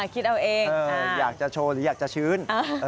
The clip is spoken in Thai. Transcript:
คิดเอาเองอยากจะโชว์หรืออยากจะชื้น